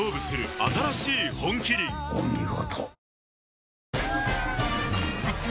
お見事。